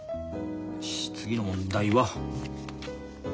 よし次の問題は。